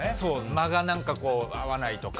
間が何か合わないとか。